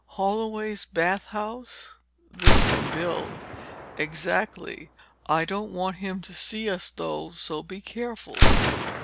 "Holloway's bath house?" This from Bill. "Exactly. I don't want him to see us, though, so be careful."